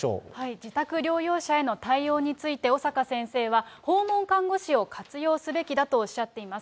自宅療養者への対応について、小坂先生は訪問看護師を活用すべきだとおっしゃっています。